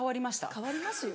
変わりますよ。